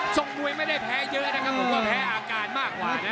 ส่งมวยไม่ได้แพ้เยอะนะครับเพราะว่าแพ้อาการมากกว่านะ